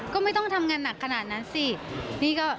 ก็ไม่ต้องทำงานหนักขนาดนั้นสิ